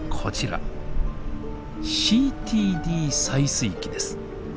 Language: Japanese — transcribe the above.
ＣＴＤ採水器です。